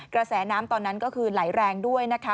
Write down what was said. กระแสน้ำตอนนั้นก็คือไหลแรงด้วยนะคะ